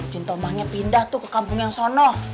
jin tomangnya pindah tuh ke kampung yang sono